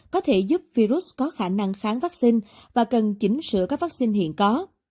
có thể giúp virus có khả năng kháng vaccine và cần chỉnh sửa các vaccine hiện có